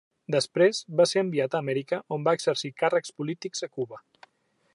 Després, va ser enviat a Amèrica, on va exercir càrrecs polítics a Cuba.